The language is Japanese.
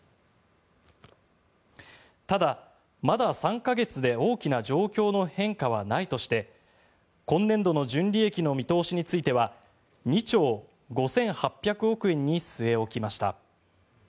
ただ、まだ３か月で大きな状況の変化はないとして今年度の純利益の見通しについては２兆５８００億円に据え置きました。